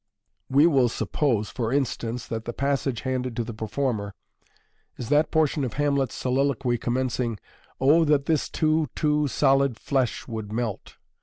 We will suppose, for instance, that the passage handed to the performer is that portion of Hamlet's soliloquy commencing, "Oh, that this too too solid Jiesk would melt."